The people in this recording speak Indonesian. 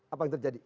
apa yang terjadi